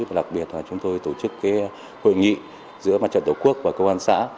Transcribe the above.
và đặc biệt là chúng tôi tổ chức hội nghị giữa mặt trận tổ quốc và công an xã